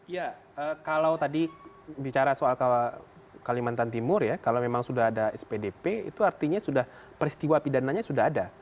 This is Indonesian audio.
ya kalau tadi bicara soal kalimantan timur ya kalau memang sudah ada spdp itu artinya sudah peristiwa pidananya sudah ada